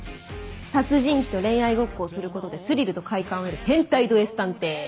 殺人鬼と恋愛ごっこをすることでスリルと快感を得る変態ドＳ探偵。